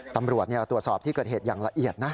ตำรวจตรวจสอบที่เกิดเหตุอย่างละเอียดนะ